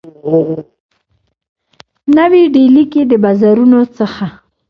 نوي ډیلي کي د بازارونو څخه